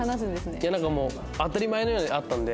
いやなんかもう当たり前のようにあったんで。